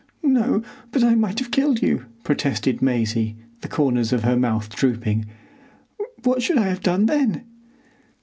"No, but I might have killed you," protested Maisie, the corners of her mouth drooping. "What should I have done then?"